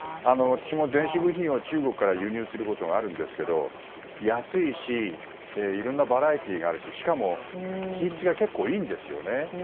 私も電子部品を中国から輸入することがあるんですが安いしいろんなバラエティーがあるししかも品質が結構いいんですよね。